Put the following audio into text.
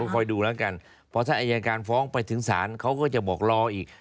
เพราะถ้าอายการฟ้องไปถึงสารเขาก็จะบอกรออีก